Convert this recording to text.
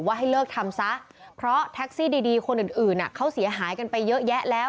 ให้เลิกทำซะเพราะแท็กซี่ดีคนอื่นเขาเสียหายกันไปเยอะแยะแล้ว